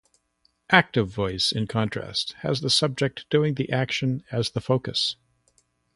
Active voice, in contrast, has the subject doing the action as the focus.